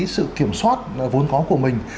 sự kiểm soát vốn có của mình